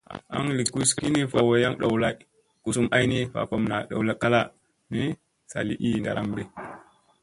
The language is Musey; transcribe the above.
Aŋ li gus kini va ko wayaŋ ɗow lala, guzum ay ni va kom naa ɗow kala ni, sa li ii ndaramɗi.